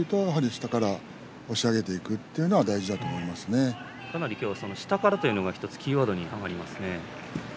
下から押し上げていく今日は下からというのが１つ、キーワードに挙がりますね。